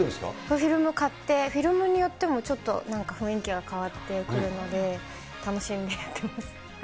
フィルム買って、フィルムによってもちょっと雰囲気が変わってくるので、楽しんでやってます。